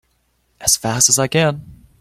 As fast as I can!